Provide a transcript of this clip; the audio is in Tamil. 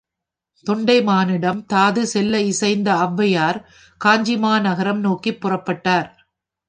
தொண்டைமானிடம் தாதுசெல்ல இசைந்த ஒளவையார் காஞ்சிமாநகரம் நோக்கிப் புறப்பட்டார்.